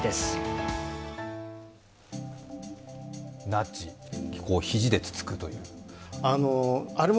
ナッジ、肘でつつくという。